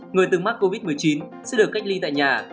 người từng mắc covid một mươi chín sẽ được cách ly tại nhà